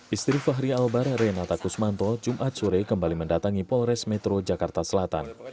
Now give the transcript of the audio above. istri fahri albar renata kusmanto jumat sore kembali mendatangi polres metro jakarta selatan